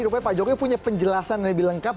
supaya pak jokowi punya penjelasan lebih lengkap